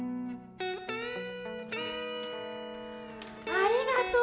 ありがとう。